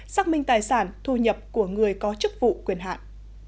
xác minh tài sản thu nhập của người có chức vụ quyền hạn